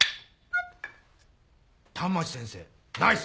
反町先生ナイス！